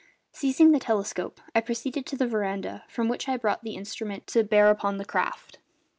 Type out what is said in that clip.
Seizing the telescope I proceeded to the veranda, from which I brought the instrument to bear upon the craft.